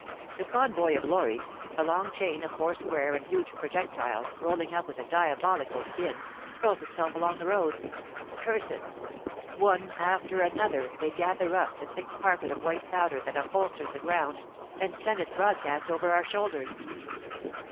The convoy of lorries, a long chain of foursquare and huge projectiles, rolling up with diabolical din, hurls itself along the road. Curse it! One after another, they gather up the thick carpet of white powder that upholsters the ground and send it broadcast over our shoulders!